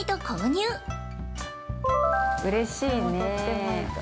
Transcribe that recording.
◆うれしいねぇ。